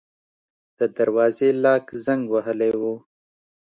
د دروازې لاک زنګ وهلی و.